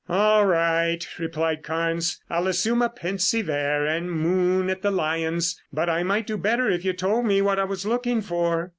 "All right," replied Carnes. "I'll assume a pensive air and moon at the lions, but I might do better if you told me what I was looking for."